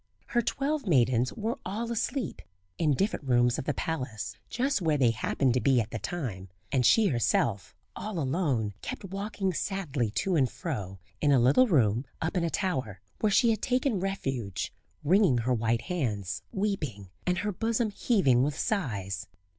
Her twelve maidens were all asleep in different rooms of the palace, just where they happened to be at the time; and she herself, all alone, kept walking sadly to and fro in a little room up in a tower, where she had taken refuge wringing her white hands, weeping, and her bosom heaving with sighs.